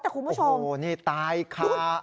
แต่คุณผู้ชมโอ้โหนี่ตายค่ะ